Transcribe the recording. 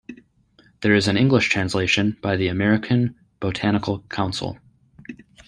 There is an English translation by the American Botanical Council.